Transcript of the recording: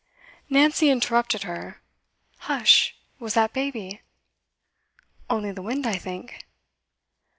Nancy interrupted her. 'Hush! Was that baby?' 'Only the wind, I think.